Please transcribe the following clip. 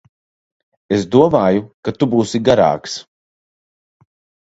Es domāju, ka tu būsi garāks.